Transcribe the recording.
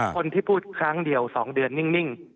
คนที่พูดครั้งเดียว๒เดือนนิ่ง